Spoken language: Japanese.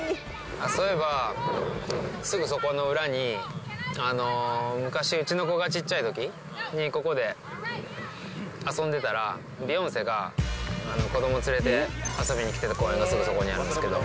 そういえば、すぐそこの裏に、昔、うちの子がちっちゃいときに、ここで遊んでたら、ビヨンセが子ども連れて遊びに来てた公園が、すぐそこにあるんですけど。